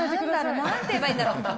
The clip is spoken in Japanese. なんて言えばいいんだろう。